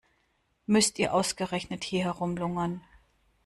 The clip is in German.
Müsst ihr ausgerechnet hier herumlungern?